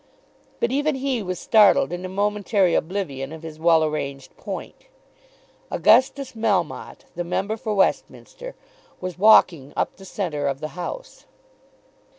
But even he was startled into momentary oblivion of his well arranged point. Augustus Melmotte, the member for Westminster, was walking up the centre of the House.